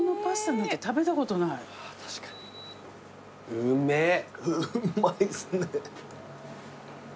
うまいですね。